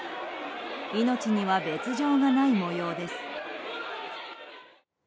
命には別条がない模様です。